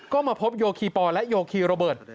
ก็มาพบโยคีปอลและโยคีโรเบิร์ต